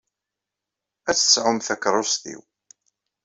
Ad tt-tesɛumt takeṛṛust-iw.